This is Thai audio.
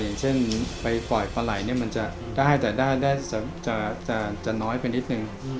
อย่างเช่นไปปล่อยปลาไหล่มันจะได้แต่ได้จะน้อยไปนิดนึง